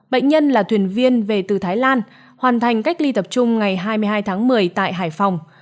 bệnh nhân là thuyền viên về từ thái lan hoàn thành cách ly tập trung ngày hai mươi hai tháng một mươi tại hải phòng